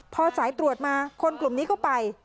พอสายตรวจมาคนกลุ่มนี้ก็ไป